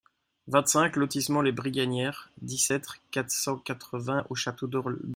vingt-cinq lotissement Les Brigannieres, dix-sept, quatre cent quatre-vingts au Château-d'Oléron